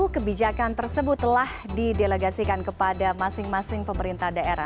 kebijakan tersebut telah didelegasikan kepada masing masing pemerintah daerah